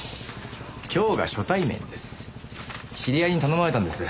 今日が初対面です。